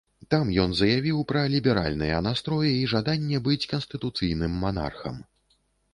Там ён заявіў пра ліберальныя настроі і жаданне быць канстытуцыйным манархам.